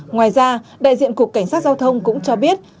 ngoài ra đại diện cục cảnh sát giao thông cũng cho biết